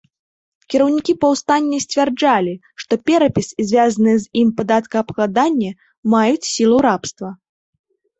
Кіраўнікі паўстання сцвярджалі, што перапіс і звязаныя з ім падаткаабкладанне маюць сілу рабства.